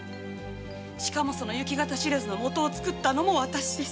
しかもその行方知れずの元を作ったのも私です。